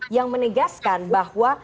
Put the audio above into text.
yang menegaskan bahwa